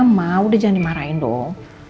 mereka mau udah jangan dimarahin dong